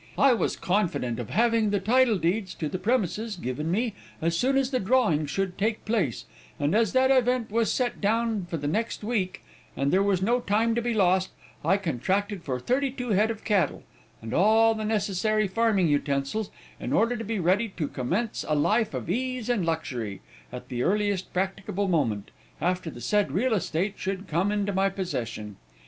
I was confident of having the title deeds to the premises given me as soon as the drawing should take place, and as that event was set down for the next week, and there was no time to be lost, I contracted for thirty two head of cattle, and all the necessary farming utensils, in order to be ready to commence a life of ease and luxury, at the earliest practicable moment, after the said real estate should come into my possession.